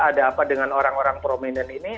ada apa dengan orang orang prominent ini